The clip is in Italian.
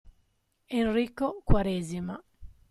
Enrico Quaresima.